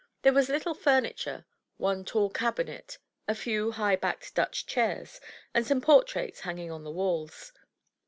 There was little furniture; one tall cabinet, a few high backed Dutch chairs, and some portraits hanging on the walls.